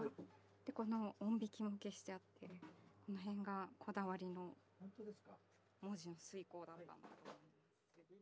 でこの音引きも消してあってこの辺がこだわりの文字の推敲だったんだと思います。